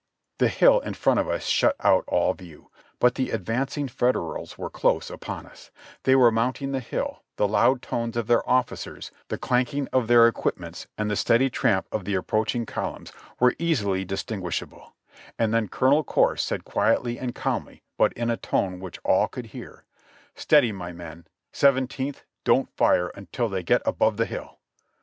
The hill in front of us shut out all view, but the advancing Federals were close upon us ; they were mounting the hill, the loud tones of their officers, the clanking of their equipments and 29 JOHNNY REB AND BILLY YANK the Steady tramp of the approaching" cohimns were easily distin guishable, and then Colonel Corse said quietly and calmly, but in a tone which all could hear : "Steadv. mv men I Seventeenth, don't fire until thev oet above the hill."'